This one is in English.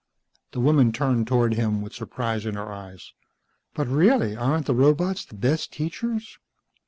The woman turned toward him with surprise in her eyes. "But really, aren't the robots the best teachers?"